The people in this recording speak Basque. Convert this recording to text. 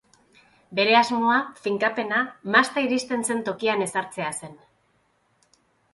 Bere asmoa, finkapena, masta iristen zen tokian ezartzea zen.